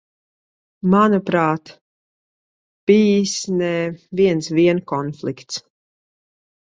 Manuprāt, bijis ne viens vien konflikts.